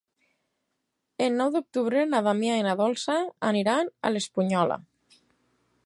El nou d'octubre na Damià i na Dolça iran a l'Espunyola.